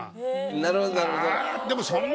なるほどなるほど。